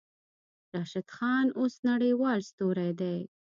راشد خان اوس نړۍوال ستوری دی.